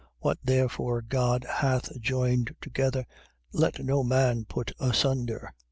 What therefore God hath joined together, let no man put asunder.